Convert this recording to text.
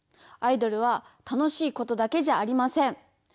アイドルは楽しいことだけじゃありません。